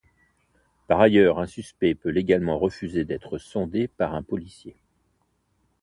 Par ailleurs, un suspect peut légalement refuser d'être sondé par un policier.